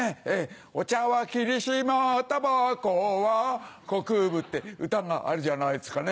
お茶は霧島、たばこは国分って歌があるじゃないですかね。